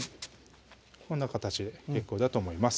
こんな形で結構だと思います